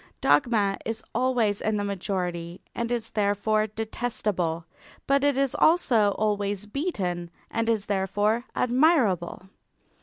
Dogma is always in the majority and is therefore detestable, but it is also always beaten and is therefore admirable.